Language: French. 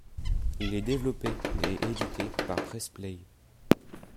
Il est développé et édité par Press Play.